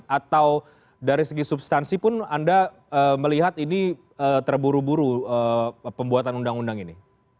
atau dari segi substansi pun anda melihat ini terburu buru pembuatan undang undang ini